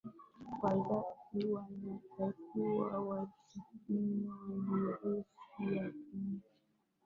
wazazi wanatakiwa wapimwe virusi vya ukimwi